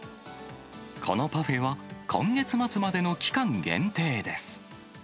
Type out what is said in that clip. このパフェは、今月末までの期間限定です。